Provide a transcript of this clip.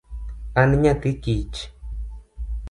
An nyathi kich.